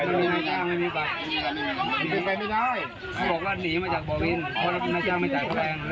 เพราะน่าจ้างไม่จ่ายแพงแล้วเลยมา